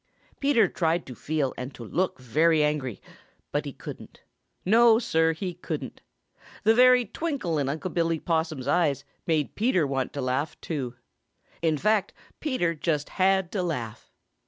Peter tried to feel and to look very angry, but he couldn't. No, Sir, he couldn't. The very twinkle in Unc' Billy Possum's eyes made Peter want to laugh, too. In fact Peter just had to laugh.